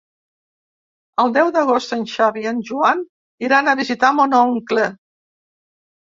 El deu d'agost en Xavi i en Joan iran a visitar mon oncle.